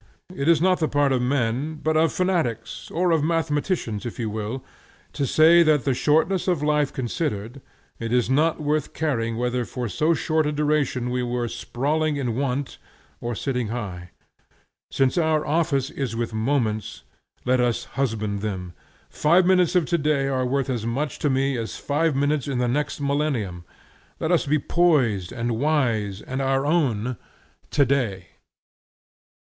It is not the part of men, but of fanatics, or of mathematicians if you will, to say that the shortness of life considered, it is not worth caring whether for so short a duration we were sprawling in want or sitting high. Since our office is with moments, let us husband them. Five minutes of today are worth as much to me as five minutes in the next millennium. Let us be poised, and wise, and our own, today.